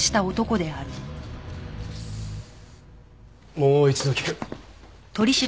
もう一度聞く。